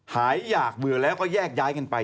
อยากเบื่อแล้วก็แยกย้ายกันไป